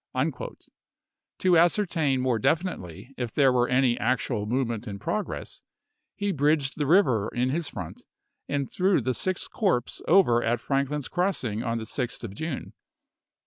p. 543."' To ascertain more definitely if there were any actual movement in progress, he bridged the river ju2e6?i863. in his front, and threw the Sixth Corps over at xxvii.? ' Franklin's Crossing on the 6th of June.